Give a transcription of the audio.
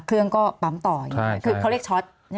มีความรู้สึกว่ามีความรู้สึกว่า